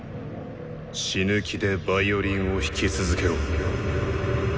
死ぬ気でヴァイオリンを弾き続けろ。